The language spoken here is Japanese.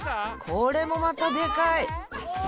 これもまたでかい！